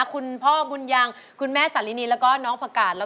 ก็มันมื้นงงค่ะ